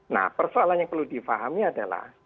nah persoalan yang perlu difahami adalah